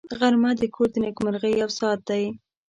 غرمه د کور د نېکمرغۍ یو ساعت دی